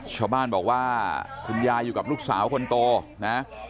ชาวบ้านบอกว่าคุณยายอยู่กับลูกสาวคนโตนะ